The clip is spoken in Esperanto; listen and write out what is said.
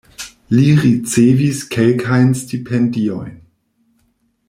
Li ricevis kelkajn stipendiojn.